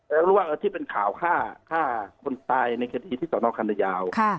แล้วรู้ว่าที่เป็นข่าวฆ่าคนตายในคดีที่สนคันยาว